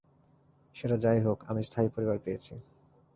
সেটা যাই হোক, আমি স্থায়ী পরিবার পেয়েছি।